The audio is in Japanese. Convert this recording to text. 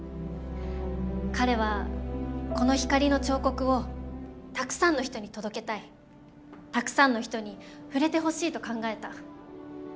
彼はこの光の彫刻をたくさんの人に届けたいたくさんの人に触れてほしいと考えた。